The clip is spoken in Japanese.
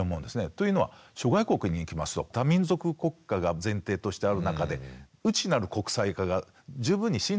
というのは諸外国に行きますと多民族国家が前提としてある中で内なる国際化が十分に浸透してるわけですよね。